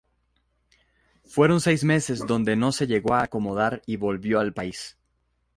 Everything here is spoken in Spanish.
Fueron seis meses donde no se llegó a acomodar y volvió al país.